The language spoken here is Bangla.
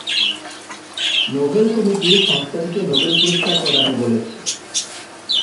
নোবেল কমিটি সংস্থাটিকে নোবেল পুরস্কার প্রদানে বলেছে,